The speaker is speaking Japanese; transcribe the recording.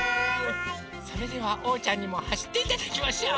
それではおうちゃんにもはしっていただきましょう！